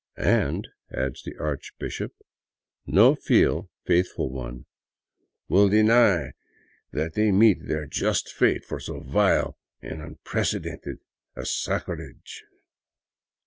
"And," adds the archbishop, "no Hel [faithful one] will deny that they met their just fate for so vile and unprecedented a sacrilege."